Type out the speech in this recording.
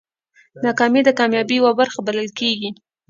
ناکامي د کامیابۍ یوه برخه بلل کېږي.